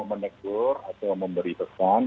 menegur atau memberi pesan